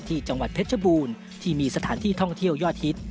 จังหวัดเพชรบูรณ์ที่มีสถานที่ท่องเที่ยวยอดฮิต